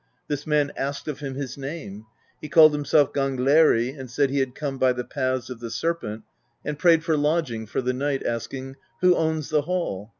This man asked of him his name. He called himself Gangleri, and said he had come by the paths of the serpent, and prayed for lodging for the night, asking : "Who owns the hall?"